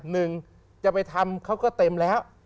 หนึ่งจะไปทำเขาก็เต็มแล้ว